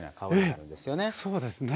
そうですね。